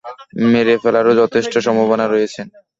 মেরে ফেলারও যথেষ্ট সম্ভাবনা রয়েছে।